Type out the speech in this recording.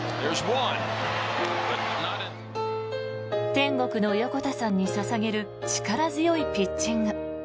天国の横田さんに捧げる力強いピッチング。